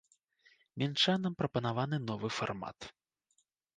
Мінчанам прапанаваны новы фармат.